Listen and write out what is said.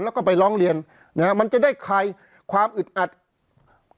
แล้วก็ไปร้องเรียนนะฮะมันจะได้คลายความอึดอัด